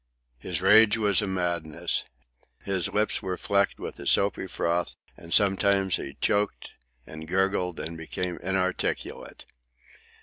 His rage was a madness. His lips were flecked with a soapy froth, and sometimes he choked and gurgled and became inarticulate.